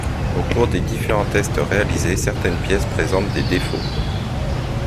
Au cours des différents test réalisés certaines pièces présentent des défauts.